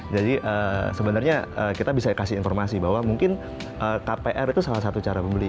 jadi sebenarnya kita bisa kasih informasi bahwa mungkin kpr itu salah satu cara membeli